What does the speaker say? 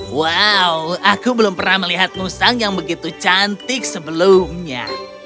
wow aku belum pernah melihat musang yang begitu cantik sebelumnya